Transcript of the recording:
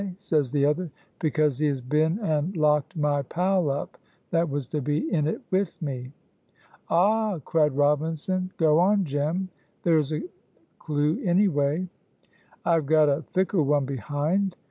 says the other. 'Because he has been and locked my pal up that was to be in it with me.'" "Ah!" cried Robinson. "Go on, Jem there is a clew anyway." "I have got a thicker one behind.